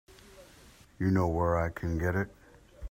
You know where I can get it?